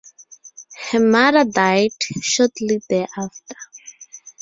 Her mother died shortly thereafter.